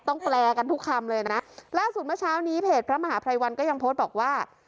แปลกันทุกคำเลยนะล่าสุดเมื่อเช้านี้เพจพระมหาภัยวันก็ยังโพสต์บอกว่า